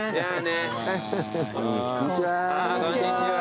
こんにちは。